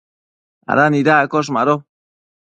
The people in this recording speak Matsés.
¿ada nidaccosh? Mado